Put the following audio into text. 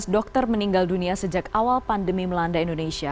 satu ratus lima belas dokter meninggal dunia sejak awal pandemi melanda indonesia